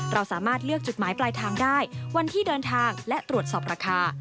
เราสามารถเลือกจุดหมายปลายทางได้วันที่เดินทางและตรวจสอบราคา